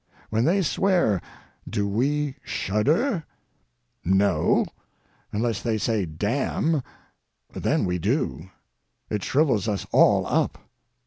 When they swear, do we shudder? No—unless they say "damn!" Then we do. It shrivels us all up.